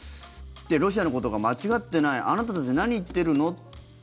ロシアのことが間違ってないあなたたち、何言ってるの？